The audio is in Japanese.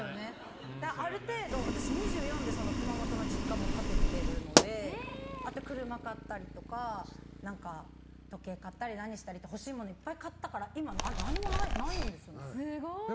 ある程度、私２４で熊本の実家も建ててるのであとは車も買ったりとか時計買ったり、何したりと欲しいものいっぱい買ったから今、何もないんですよね。